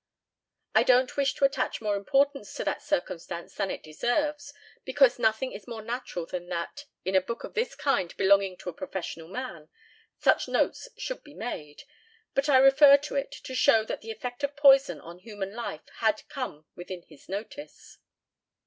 I don't wish to attach more importance to that circumstance than it deserves, because nothing is more natural than that, in a book of this kind belonging to a professional man, such notes should be made; but I refer to it to show that the effect of poison on human life had come within his notice.